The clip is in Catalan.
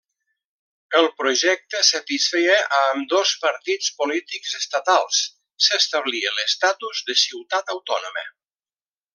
El projecte satisfeia a ambdós partits polítics estatals: s'establia l'estatus de ciutat autònoma.